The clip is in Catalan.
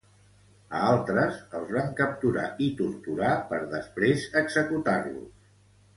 A altres els van capturar i torturar, per després executar-los.